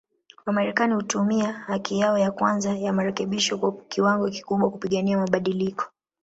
Wamarekani hutumia haki yao ya kwanza ya marekebisho kwa kiwango kikubwa, kupigania mabadiliko.